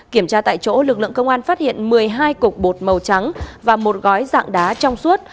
kiểm tra tại chỗ lực lượng công an phát hiện một mươi hai cục bột màu trắng và một gói dạng đá trong suốt